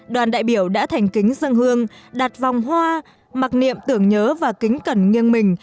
đoàn đại biểu đã thành kính dân hương đặt vòng hoa mặc niệm tưởng nhớ và kính cẩn nghiêng mình